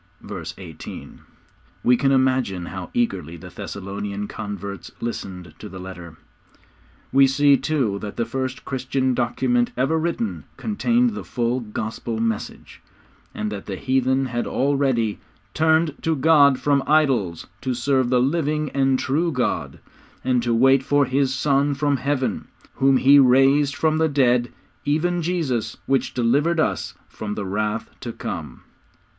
_' (Verse 18.) We can imagine how eagerly the Thessalonian converts listened to the letter. We see, too, that the first Christian document ever written contained the full Gospel message, and that the heathen had already '_turned to God from idols to serve the living and true God; and to wait for His Son from Heaven, whom He raised from the dead, even Jesus, which delivered us from the wrath to come.